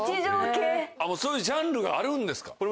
そういうジャンルがあるんですか？